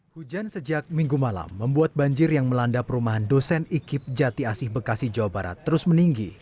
hujan sejak minggu malam membuat banjir yang melanda perumahan dosen ikib jati asih bekasi jawa barat terus meninggi